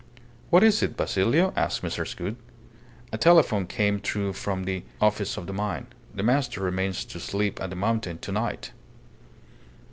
"What is it, Basilio?" asked Mrs. Gould. "A telephone came through from the office of the mine. The master remains to sleep at the mountain to night."